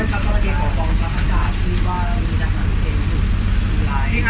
สตราจากรมกระพันธ์บทสถานการณ์คิดว่าเรามีนักฝันขึ้นไว้